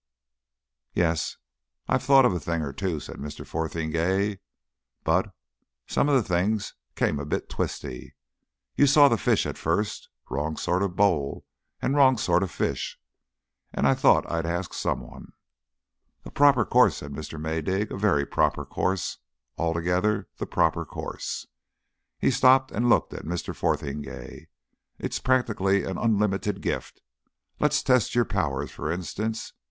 "Yes, I've thought of a thing or two," said Mr. Fotheringay. "But some of the things came a bit twisty. You saw that fish at first? Wrong sort of bowl and wrong sort of fish. And I thought I'd ask someone." "A proper course," said Mr. Maydig, "a very proper course altogether the proper course." He stopped and looked at Mr. Fotheringay. "It's practically an unlimited gift. Let us test your powers, for instance.